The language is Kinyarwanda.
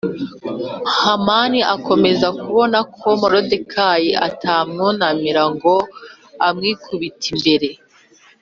Hamani akomeza kubona ko Moridekayi atamwunamira ngo amwikubite imbere